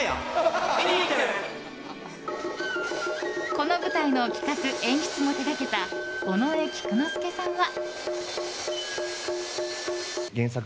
この舞台の企画・演出も手掛けた尾上菊之助さんは。